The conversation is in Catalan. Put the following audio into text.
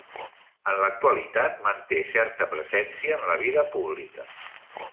En l'actualitat manté certa presència en la vida pública.